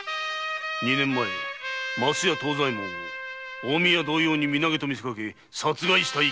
二年前升屋藤左衛門を近江屋同様に身投げとみせかけ殺害した一件もな。